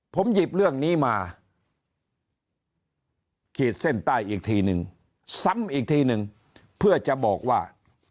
ผมหยิบเรื่องนี้มาขีดเส้นใต้อีกทีนึงซ้ำอีกทีนึงเพื่อจะบอกว่า